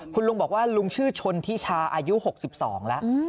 คุณลุงบอกว่าลุงชื่อชนทิชาอายุ๖๒แล้ว